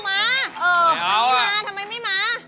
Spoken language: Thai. มาอันนี้มาทำไมไม่มา